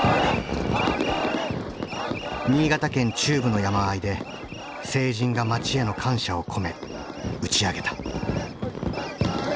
新潟県中部の山あいで成人が町への感謝を込め打ち上げた。